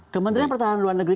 kementerian pertahanan luar negeri